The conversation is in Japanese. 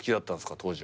当時は。